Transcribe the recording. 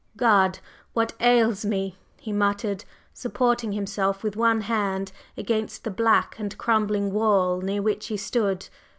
"God! What ails me!" he muttered, supporting himself with one hand against the black and crumbling wall near which he stood.